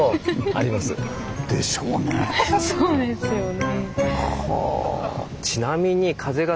そうですよね。